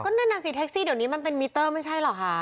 นั่นน่ะสิแท็กซี่เดี๋ยวนี้มันเป็นมิเตอร์ไม่ใช่เหรอคะ